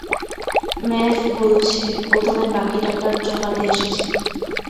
ম্যাভ বলছে ও তোমায় বাকি টাকা চোকাতে এসেছে।